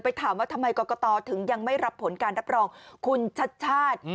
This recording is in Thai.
ถามว่าทำไมกรกตถึงยังไม่รับผลการรับรองคุณชัดชาติ